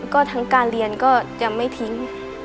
ก็ทั้งการเรียนก็จะไม่ทิ้ง